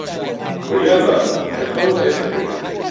وریابە کە خەوت لێ نەکەوێت.